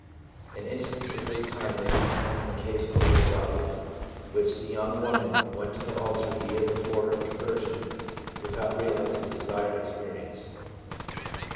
An instance of this kind may be found in the case quoted above, in which the young woman went to the altar the year before her conversion without realis ing the desired experience.